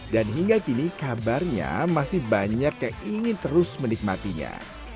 dan hingga kini kabarnya masih banyak yang ingin terus menikmatinya